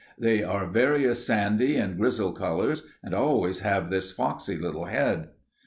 They are various sandy and grizzled colors and always have this foxy little head.